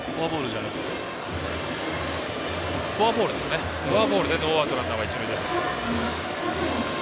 フォアボールでノーアウト、ランナー、一塁です。